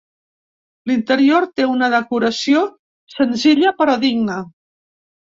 L'interior té una decoració senzilla, però digna.